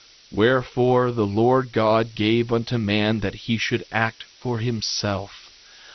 2:16 Wherefore, the Lord God gave unto man that he should act for himself.